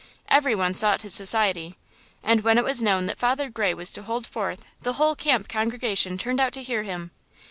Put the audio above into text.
Every one sought his society; and when it was known that Father Gray was to hold forth, the whole camp congregation turned out to hear him.